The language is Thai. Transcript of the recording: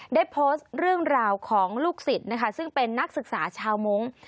ได้โพสต์เรื่องราวของลูกศิษย์นะคะซึ่งเป็นนักศึกษาชาวมงค์